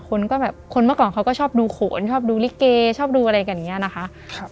คนก็แบบคนเมื่อก่อนเขาก็ชอบดูโขนชอบดูลิเกชอบดูอะไรกันอย่างนี้นะคะ